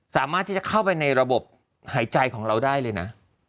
สามารถที่จะเข้าไปในระบบหายใจของเราได้เลยนะ